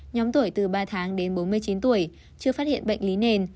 nhóm tuổi từ ba tháng đến bốn mươi chín tuổi chưa phát hiện bệnh lý nền